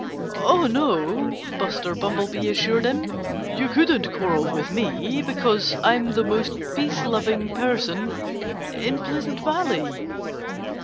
"Oh, no!" Buster Bumblebee assured him. "You couldn't quarrel with me, because I'm the most peace loving person in Pleasant Valley."